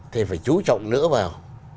thì phải chú trọng nữa vào